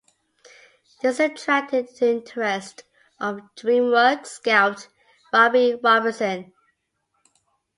These attracted the interest of DreamWorks scout Robbie Robertson.